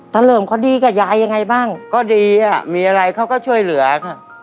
เลิมเขาดีกับยายยังไงบ้างก็ดีอ่ะมีอะไรเขาก็ช่วยเหลือค่ะ